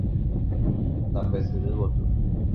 Tape ysyry gotyo.